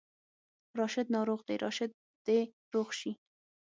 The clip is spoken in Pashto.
راشد ناروغ دی، راشد دې روغ شي